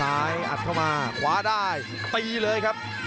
อัดเข้ามาขวาได้ตีเลยครับ